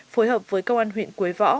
phối hợp với công an huyện quế võ